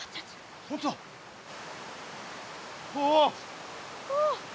ああ！